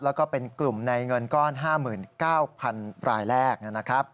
แล้วก็เป็นกลุ่มในเงินก้อน๕๙๐๐รายแรกนะครับ